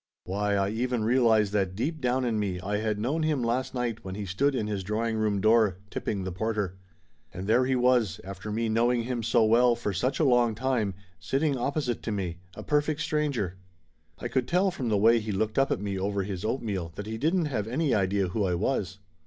Why, I even realized that deep down in me I had known him last night when he stood in his drawing room door, tip ping the porter. And there he was, after me knowing him so well for such a long time, sitting opposite to me, a perfect stranger! I could tell from the way he looked up at me over his oatmeal that he didn't have any idea who I was.